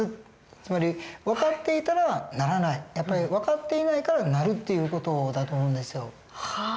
つまり分かっていたらならない分かっていないからなるっていう事だと思うんですよ。